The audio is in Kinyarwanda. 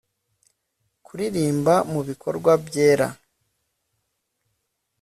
kuririmba mubikorwa byera